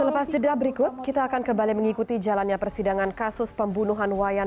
selepas jeda berikut kita akan kembali mengikuti jalannya persidangan kasus pembunuhan wayan